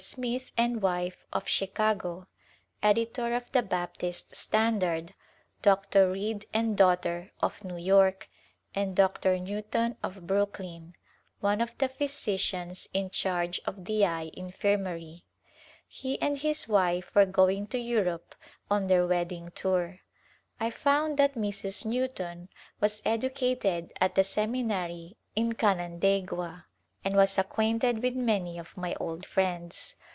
Smith and wife of Chicago, editor of the Baptist Standard] Dr. Reid and daughter of New York and Dr. Newton of Brooklyn, one of the physicians in charge of the Eye Infirmary. He and his wife were going to Europe on their wedding tour. I found that Mrs. Newton was educated at the seminary in Canandaigua and was acquainted with many of my old friends.